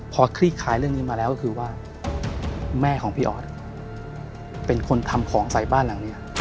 พอคลี่คลายเรื่องนี้มาแล้วก็คือว่าแม่ของพี่ออสเป็นคนทำของใส่บ้านหลังนี้